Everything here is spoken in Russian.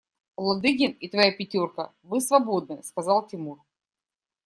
Ладыгин и твоя пятерка, вы свободны, – сказал Тимур.